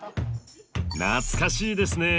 懐かしいですね。